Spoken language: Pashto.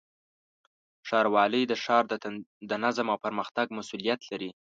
ښاروالۍ د ښار د نظم او پرمختګ مسؤلیت لري.